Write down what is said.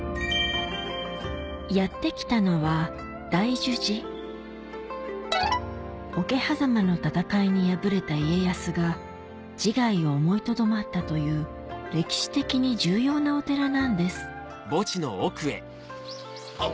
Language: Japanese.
やって来たのは桶狭間の戦いに敗れた家康が自害を思いとどまったという歴史的に重要なお寺なんですあっ